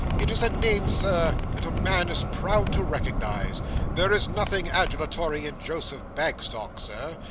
It is a name, Sir, that a man is proud to recognise. There is nothing adulatory in Joseph Bagstock, Sir.